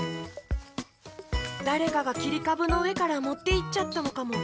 だれかがきりかぶのうえからもっていっちゃったのかも。